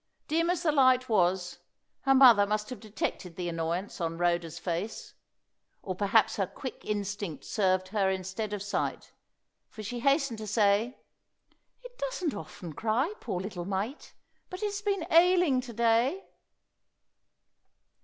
Dim as the light was, her mother must have detected the annoyance on Rhoda's face. Or perhaps her quick instinct served her instead of sight, for she hastened to say "It doesn't often cry, poor little mite! But it has been ailing to day."